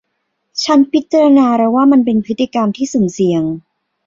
ฉันพิจารณาแล้วว่ามันเป็นพฤติกรรมที่สุ่มเสี่ยง